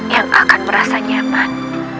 yang akan merasa nyaman